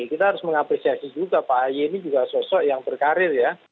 kita harus mengapresiasi juga pak ahy ini juga sosok yang berkarir ya